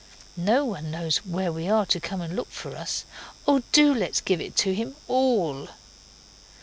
No one knows where we are to come and look for us. Oh, do let's give it him ALL.